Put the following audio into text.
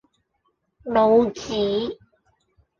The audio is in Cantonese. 老子